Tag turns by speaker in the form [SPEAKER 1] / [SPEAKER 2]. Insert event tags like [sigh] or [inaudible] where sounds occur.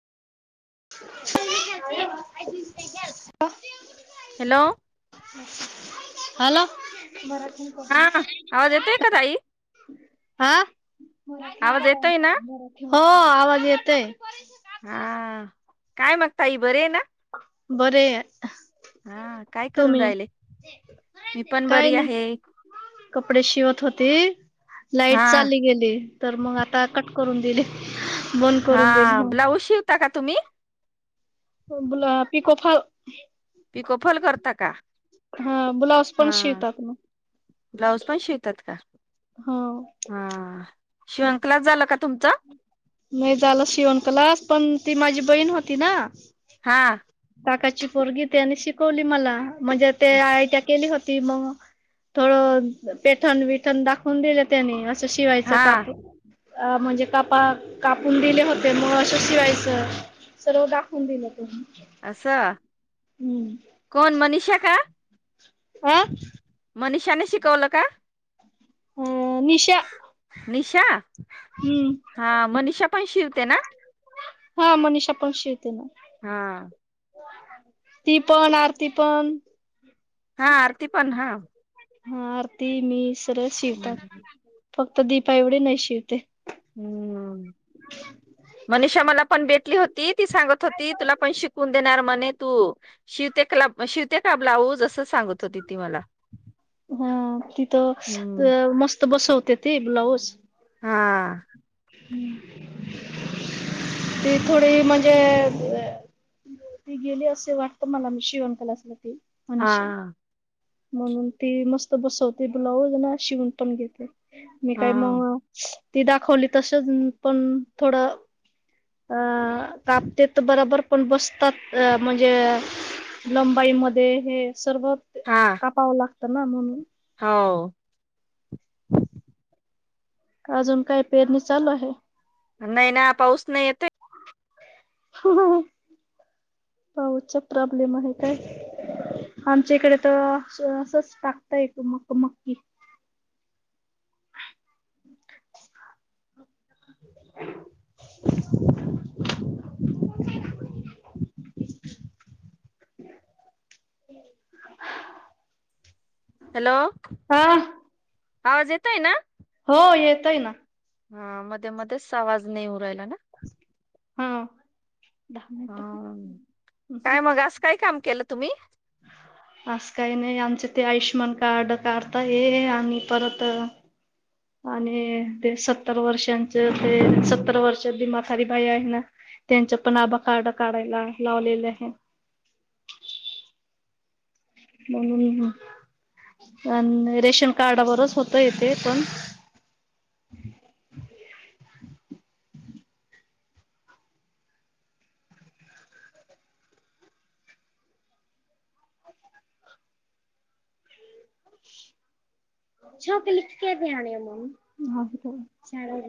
[SPEAKER 1] [unintelligible] ह
[SPEAKER 2] hello
[SPEAKER 1] hello हा मराठी
[SPEAKER 2] हा
[SPEAKER 1] मराठी
[SPEAKER 2] आवाज येतोय का ताई आवाज येतोय ना
[SPEAKER 1] हो आवाज येतोय
[SPEAKER 2] हा काय माग ताई बरेय ना
[SPEAKER 1] बरेय
[SPEAKER 2] हा काय करून
[SPEAKER 1] तुम्ही
[SPEAKER 2] राहिले मी पण
[SPEAKER 1] काय
[SPEAKER 2] बरी
[SPEAKER 1] नाही
[SPEAKER 2] आहे
[SPEAKER 1] कपडे शिवत होती
[SPEAKER 2] हा
[SPEAKER 1] लाइट चालली गेली तर मग आता कट करून दिले बंद
[SPEAKER 2] हा
[SPEAKER 1] करून दिले.
[SPEAKER 2] ब्लाौज शिवता का तुम्ही
[SPEAKER 1] ब्लाऊ पीको फॉल
[SPEAKER 2] पिकोफॉल करता का
[SPEAKER 1] हा ब्लाऊज पण
[SPEAKER 2] हा
[SPEAKER 1] शिवतात मग
[SPEAKER 2] ब्लाउज पण शिवतात का
[SPEAKER 1] हो
[SPEAKER 2] हा शिवंनक्लाला झालं का तुमचा
[SPEAKER 1] नइ झालं शिवण कलास पण ती माझी बहीण होती ना
[SPEAKER 2] हा
[SPEAKER 1] काकाची पोरगी त्यानि शिकवली मला म्हणजे ते
[SPEAKER 2] अस
[SPEAKER 1] आयटिआय केली होती ती मग थोडं पेठण विठण दाखवून दिलं त्यानी शिवायचं
[SPEAKER 2] हा
[SPEAKER 1] कापू अ म्हणजे कापा कापून दिले होते म असं शिवायचं सर्व दाखवून दिलं तुम्ही
[SPEAKER 2] आसाहा कोण मनीषक
[SPEAKER 1] आं
[SPEAKER 2] मनीषाने शिकवलं का
[SPEAKER 1] हम निशा
[SPEAKER 2] निशा
[SPEAKER 1] हम्म
[SPEAKER 2] हा मनीष पण शिवते ना
[SPEAKER 1] हा मनीषा पण शिवते ना
[SPEAKER 2] हा
[SPEAKER 1] ती पण आरती पण
[SPEAKER 2] हा आरती पण हा
[SPEAKER 1] हा आरती मीस तर शिवतात
[SPEAKER 2] हम्म
[SPEAKER 1] फक्त दीपा एवढी नाही शिवते.
[SPEAKER 2] हम्म मनीषा मला पण भेटली होती ती सांगत होती तुला पण शिकून देणार म्हणे तू शिवते का शिवते का ब्लाऊज असं. सांगत होती ती मला
[SPEAKER 1] हा
[SPEAKER 2] हम्म
[SPEAKER 1] तिथं मस्त बसव. ते ते ब्लाऊज.
[SPEAKER 2] हा.
[SPEAKER 1] ती थोडी म्हणजे ती गेली असे वाटत मला म शिवणक्लास ती.
[SPEAKER 2] हा
[SPEAKER 1] मनीषा म्हणून ती मस्त बसवते ब्लाऊज मग शिवून पण घेते. मी काय
[SPEAKER 2] हा
[SPEAKER 1] मग. ती दाखवली. तसच पण थोडं अ कापतेत बराबर पण बसतात अ म्हणजे लंबाईमध्ये हे. सर्वत
[SPEAKER 2] हा
[SPEAKER 1] कापावं लाग. तर ना मम
[SPEAKER 2] हो.
[SPEAKER 1] अजून काय पेरणी चालू आहे.
[SPEAKER 2] नाही ना पाऊस नाही येत हाय.
[SPEAKER 1] पाऊसचा प्रॉब्लेम आहे काय आमच्या इकडे तर असच टाकताय म मक्की. [unintelligible]
[SPEAKER 2] हॅलो.
[SPEAKER 1] हा
[SPEAKER 2] आवाज येतोय ना.
[SPEAKER 1] हो येतोय ना.
[SPEAKER 2] हा मध्ये मध्येच आवाज नाही येऊ राहीला ना.
[SPEAKER 1] हा दहा मिनिट
[SPEAKER 2] हम काय मग असं काय काम. केलं तुम्ही.
[SPEAKER 1] काही नाही आमचे ते आयुष्यमान कार्ड काढता ये आणि परत आणि ते सत्तर वर्षांच ते सत्तर वर्ष भी माातारी बाई आहे ना त्यांच पण आभा कार्ड काढायला लावलेले आहे. म्हणून आणि रेशन कार्डावरच होतय तेे पण. [unintelligible]